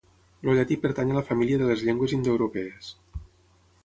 El llatí pertany a la família de les llengües indoeuropees.